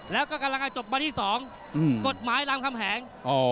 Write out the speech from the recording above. แล้วก็กำลังจะจบทีสองกฎหมายรามคำแหแหง